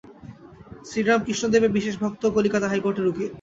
শ্রীরামকৃষ্ণদেবের বিশেষ ভক্ত, কলিকাতা হাইকোর্টের উকিল।